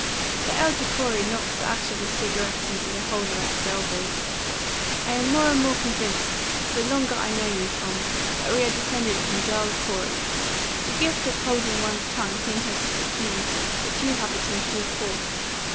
The elder Corey knocked the ash of his cigarette into the holder at his elbow. "I am more and more convinced, the longer I know you, Tom, that we are descended from Giles Corey. The gift of holding one's tongue seems to have skipped me, but you have it in full force.